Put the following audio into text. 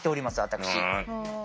私。